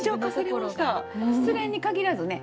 失恋に限らずね